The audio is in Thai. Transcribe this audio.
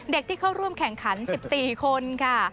ที่เข้าร่วมแข่งขัน๑๔คนค่ะ